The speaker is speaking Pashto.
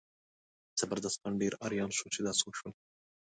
زبردست خان ډېر اریان شو چې دا څه وشول.